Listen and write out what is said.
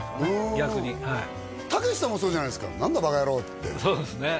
逆にはい武さんもそうじゃないですか「何だバカヤロー」ってそうですね